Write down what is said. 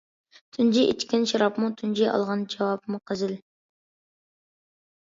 تۇنجى ئىچكەن شارابمۇ، تۇنجى ئالغان جاۋابمۇ قىزىل.